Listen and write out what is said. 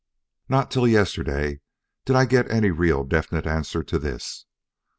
"Not till yesterday did I get any really definite answer to this.